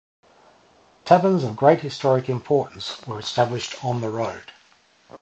Taverns of great historic importance were established on the Road.